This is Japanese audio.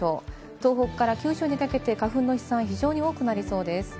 東北から九州にかけて花粉の飛散が非常に多くなりそうです。